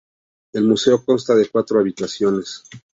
El museo consta de cuatro habitaciones.